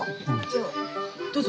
どうぞ。